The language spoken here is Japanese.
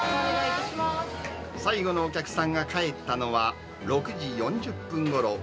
最後のお客さんが帰ったのは６時４０分ごろ。